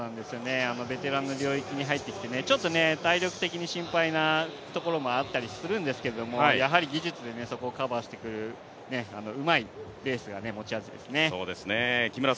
ベテランの領域に入ってきて、ちょっと体力的に心配なところもあったりするんですけども技術でそこをカバーしていく、うまいレースが持ち味ですね。